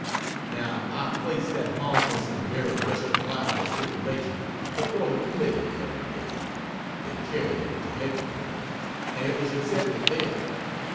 Now, I placed that harmless and very justifiable stipulation before the committee the other day; they carried it to headquarters and it was accepted there.